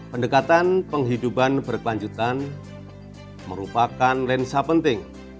pendekatan penghidupan berkelanjutan merupakan lensa penting